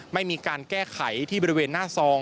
ไม่มีการแก้ไขที่บริเวณหน้าซอง